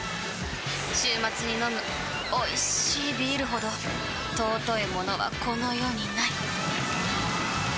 週末に飲むおいしいビールほど尊いものはこの世にない！